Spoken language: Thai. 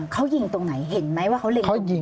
เขายิงตรงไหนเห็นไหมว่าเขาเล็งเขายิง